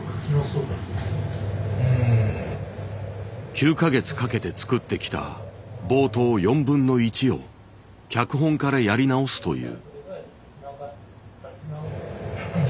９か月かけて作ってきた冒頭４分の１を脚本からやり直すという。